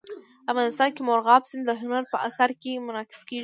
افغانستان کې مورغاب سیند د هنر په اثار کې منعکس کېږي.